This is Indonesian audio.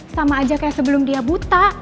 sama aja kayak sebelum dia buta